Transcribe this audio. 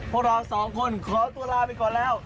พวกเราสองคนขอตัวลาไปก่อนแล้ว